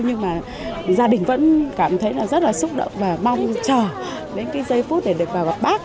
nhưng mà gia đình vẫn cảm thấy rất xúc động và mong chờ đến giây phút để được vào gặp bác